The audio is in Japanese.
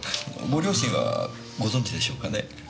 ご両親はご存じでしょうかね？